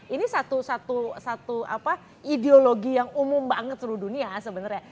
ini satu ideologi yang umum banget seluruh dunia sebenarnya